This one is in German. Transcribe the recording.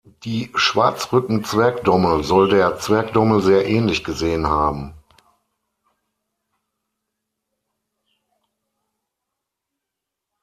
Die Schwarzrücken-Zwergdommel soll der Zwergdommel sehr ähnlich gesehen haben.